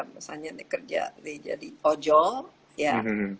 misalnya saya kerja di jadi ojol ya